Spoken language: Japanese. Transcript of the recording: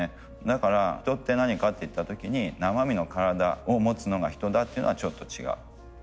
だから人って何かっていった時に生身の体を持つのが人だっていうのはちょっと違う。